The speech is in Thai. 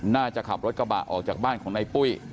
น่าจะขับรถกระเป๋าออกจากบ้้านของนายปุ้ย